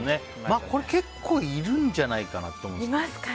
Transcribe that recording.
結構いるんじゃないかなと思うんですけど。